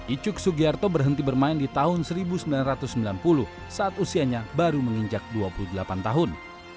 icuk sugiarto berhenti bermain di tahun seribu sembilan ratus sembilan puluh saat usianya baru menginjak dua puluh delapan tahun